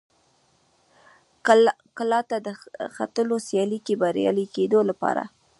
کلا ته د ختلو سیالۍ کې بریالي کېدو لپاره.